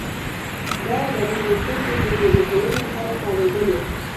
دا ودانۍ د توکو د زېرمه کولو لپاره کارېدلې